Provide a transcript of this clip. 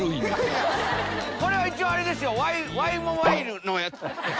これは一応あれですよ。